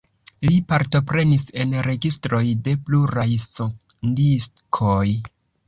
Li partoprenis en registroj de pluraj sondiskoj.